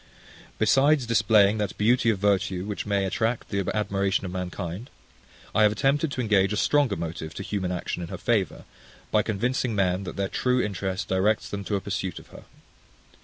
Besides displaying that beauty of virtue which may attract the admiration of mankind, I have attempted to engage a stronger motive to human action in her favour, by convincing men, that their true interest directs them to a pursuit of her.